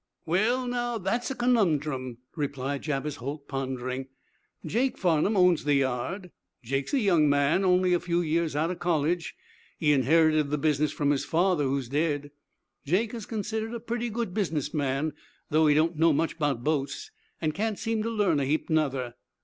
"Well, now, that's a conundrum," replied Jabez Holt, pondering. "Jake Farnum owns the yard. Jake is a young man, only a few years out of college. He inherited the business from his father, who's dead. Jake is considered a pretty good business man, though he don't know much 'bout boats, an' can't seem to learn a heap, nuther.